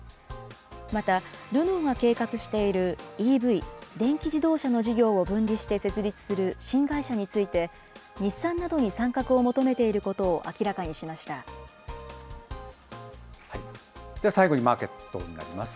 また、ルノーが計画しているＥＶ・電気自動車の事業を分離して設立する新会社について、日産などに参画を求めていることを明らかにしまでは最後にマーケットになります。